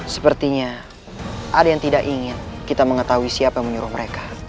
sepertinya ada yang tidak ingin kita mengetahui siapa yang menyuruh mereka